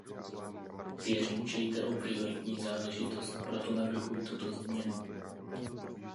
Věřím, že jde o prioritní záležitost, proto navrhuji tuto změnu.